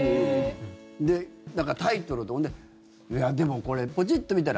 で、タイトルとでも、これ、ポチッと見たら。